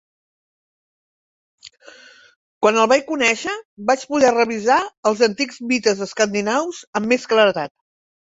Quan el vaig conèixer, vaig poder revisar els antics mites escandinaus amb més claredat.